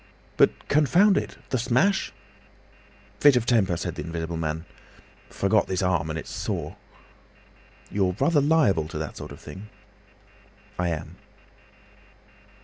"But, confound it! The smash?" "Fit of temper," said the Invisible Man. "Forgot this arm; and it's sore." "You're rather liable to that sort of thing." "I am."